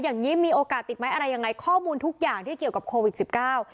อย่างงี้มีโอกาสติดไหมอะไรยังไงข้อมูลทุกอย่างที่เกี่ยวกับโควิดสิบเก้า